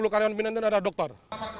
sepuluh karyawan pimpinan adalah dokter